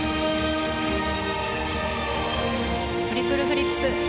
トリプルフリップ。